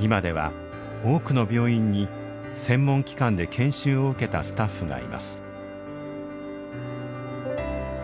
今では多くの病院に専門機関で研修を受けたスタッフがいます。